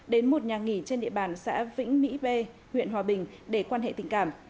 đến một nhà nghỉ trên địa bàn xã vĩnh mỹ b huyện hòa bình để quan hệ tình cảm